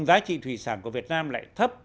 giá trị thủy sản của việt nam lại thấp